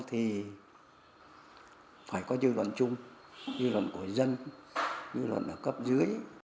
thì phải có dư luận chung dư luận của dân dư luận ở cấp dưới